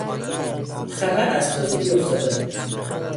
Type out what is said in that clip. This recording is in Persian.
خبر از تازگی افتاده